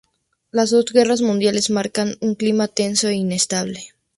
Las dos guerras mundiales marcan un clima tenso e inestable.